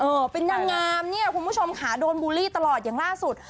เป็นนางงามเนี่ยคุณผู้ชมค่ะโดนบูลลี่ตลอดอย่างล่าสุด